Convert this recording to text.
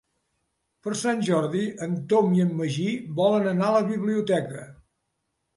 Per Sant Jordi en Tom i en Magí volen anar a la biblioteca.